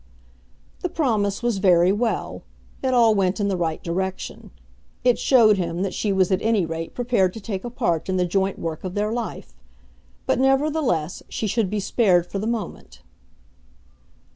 The promise was very well. It all went in the right direction. It showed him that she was at any rate prepared to take a part in the joint work of their life. But, nevertheless, she should be spared for the moment.